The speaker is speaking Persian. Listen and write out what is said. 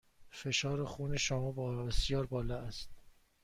فشار خون شما بسیار بالا است.